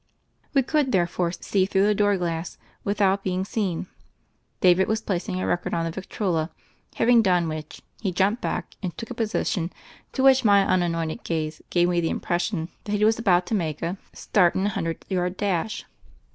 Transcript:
We could, therefore, see through the door glass without being seen. David was placing a record on the Victrola; having done which, he jumped back, and took a position which to my unanointed gaze gave me the impression that he was about to make a I TO THE FAIRY OF THE SNOWS start in a hundred yard dash.